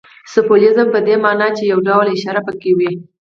سمبولیزم په دې ماناچي یو ډول اشاره پکښې وي.